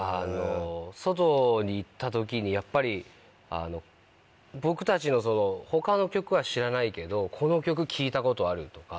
外に行った時にやっぱり僕たちの他の曲は知らないけどこの曲聞いたことあるとか。